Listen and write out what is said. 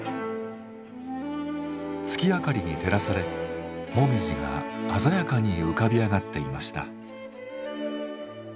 月明かりに照らされもみじが鮮やかに浮かび上がっていました。